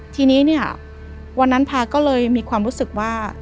ทีนี้เนี่ยวันนั้นพาก็เลยมีความรู้สึกว่า